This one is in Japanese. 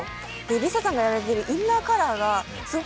ＬｉＳＡさんがやられているインナーカラーがすごく